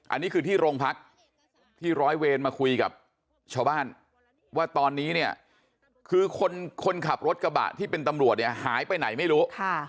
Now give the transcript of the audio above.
อันนี้คือที่โรงพักที่ร้อยเวรมาคุยกับชาวบ้านว่าตอนนี้เนี่ยคือคนขับรถกระบะที่เป็นตำรวจเนี่ยหายไปไหนไม่รู้